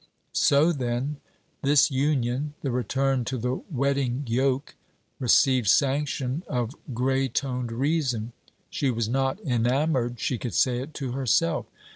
So, then, this union, the return to the wedding yoke, received sanction of grey toned reason. She was not enamoured she could say it to herself.